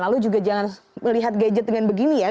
lalu juga jangan melihat gadget dengan begini ya